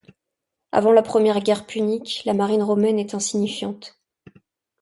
Avant la première guerre punique, la marine romaine est insignifiante.